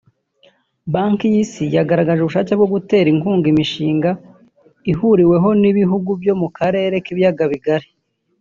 Banki y’isi yagaragaje ubushake bwo gutera inkunga imishinga ihuriweho n’ibihugu byo mu karere k’ibiyaga bigari